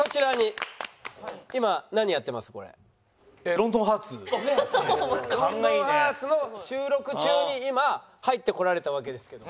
『ロンドンハーツ』の収録中に今入ってこられたわけですけど。